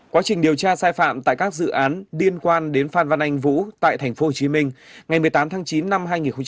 quá trình điều tra sai phạm tại các dự án liên quan đến phan văn anh vũ tại tp hcm ngày một mươi tám tháng chín năm hai nghìn một mươi chín